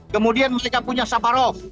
kemudian mereka punya saparov